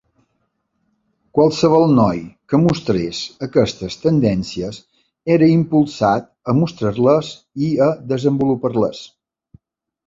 Qualsevol noi que mostrés aquestes tendències era impulsat a mostrar-les i a desenvolupar-les.